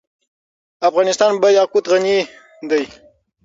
افغانستان په یاقوت غني دی.